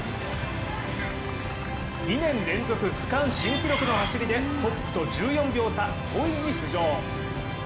２年連続区間新記録の走りでトップと１４秒差、５位に浮上。